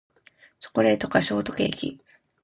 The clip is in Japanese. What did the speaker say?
チョコケーキかショートケーキ